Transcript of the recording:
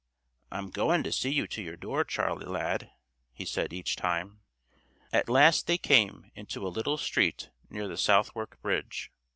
"I'm goin' to see you to your door, Charley lad," he said each time. At last they came into a little street near the Southwark Bridge.